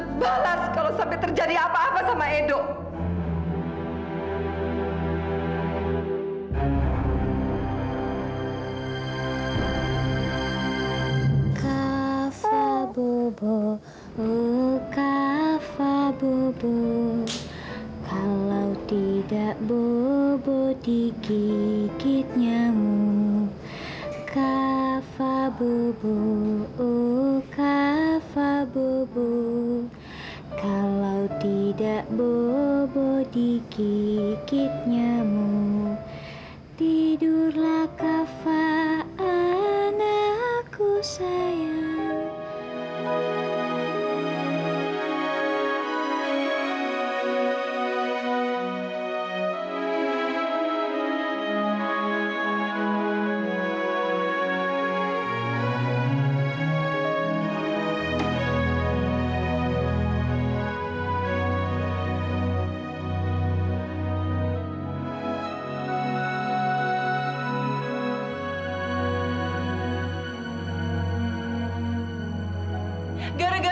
tante nggak mau kalau sampai terjadi apa apa sama edo indi